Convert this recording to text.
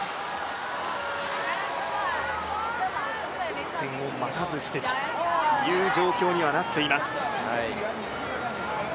得点を待たずしてという状況にはなっています。